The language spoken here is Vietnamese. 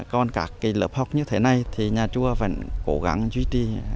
còn các lớp học như thế này thì nhà chùa vẫn cố gắng duy trì